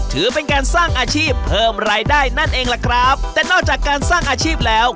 ถือเป็นการสร้างอาชีพเพิ่มรายได้นั่นเองล่ะครับแต่นอกจากการสร้างอาชีพแล้ว